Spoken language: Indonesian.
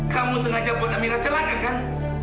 kamu sengaja buat amira celaka kan